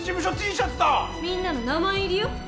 みんなの名前入りよ。